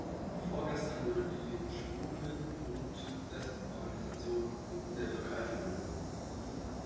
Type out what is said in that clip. Vorgestern wurde die Schwulenund Lesbenorganisation in der Türkei verboten.